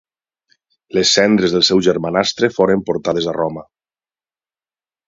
Les cendres del seu germanastre foren portades a Roma.